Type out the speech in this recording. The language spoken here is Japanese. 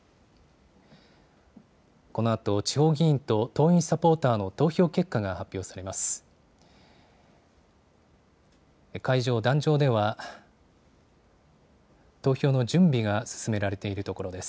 このあと、地方議員と党員・サポーターの投票結果が発表されます。